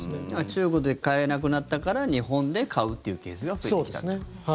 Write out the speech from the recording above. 中国で買えなくなったから日本で買うっていうケースが増えてきたってこと。